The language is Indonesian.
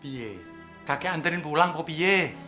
pih kakek bawa pulang kok pih